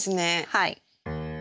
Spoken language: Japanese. はい。